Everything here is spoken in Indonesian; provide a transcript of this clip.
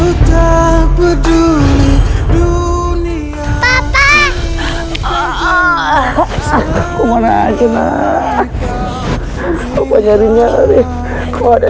oh berani mereka rencana hutan